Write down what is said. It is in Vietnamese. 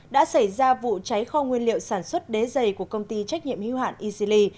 đã xảy ra vụ cháy kho nguyên liệu sản xuất đế dày của công ty trách nhiệm hưu hạn icely